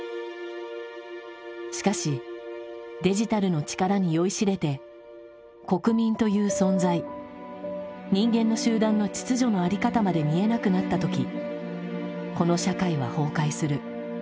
しかしデジタルの力に酔いしれて国民という存在人間の集団の秩序のあり方まで見えなくなった時この社会は崩壊する。